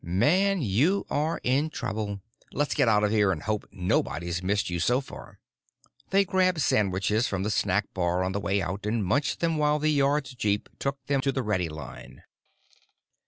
Man, you are in trouble! Let's get out there and hope nobody's missed you so far." They grabbed sandwiches from the snack bar on the way out and munched them while the Yards jeep took them to the ready line.